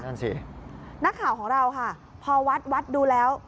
นั่นสินักข่าวของเราค่ะพอวัดวัดดูแล้ว